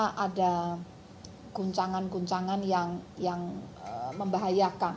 karena ada guncangan guncangan yang membahayakan